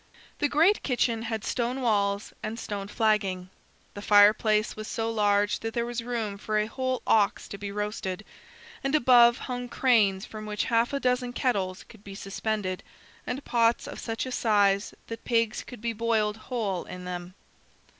The great kitchen had stone walls and stone flagging. The fireplace was so large that there was room for a whole ox to be roasted, and above hung cranes from which half a dozen kettles could be suspended, and pots of such a size that pigs could be boiled whole in them.